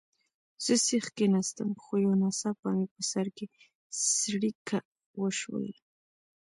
زه سیخ کښېناستم، خو یو ناڅاپه مې په سر کې څړیکه وشول.